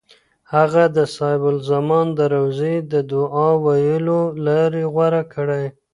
هغه د صاحب الزمان د روضې د دعا د ویلو لارې غوره کړې.